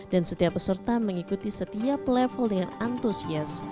dan setiap peserta mengikuti setiap level dengan antaranya